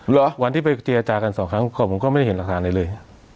หรอวันที่ไปเจียจากันสองครั้งก็ผมก็ไม่เห็นหลักฐานเลยเลย